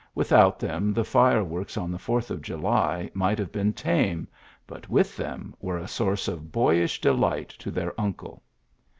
Without them the fireworks on the Fourth of July might have been tame, but with them were a source of boyish delight to their uncle.